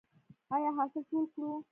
آیا حاصل ټول کړو؟